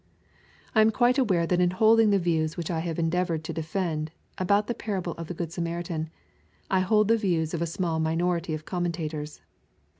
I am quite aware that in holding the views which I have en deavored to defend, about the parable of the good Samaritan, I hold the views of a small minority of commentators.